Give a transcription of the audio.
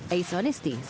eisa onisti cnn indonesia